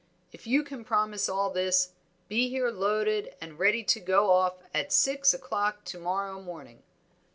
If you can promise all this, be here loaded and ready to go off at six o'clock to morrow morning."